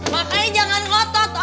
makanya jangan ngotot om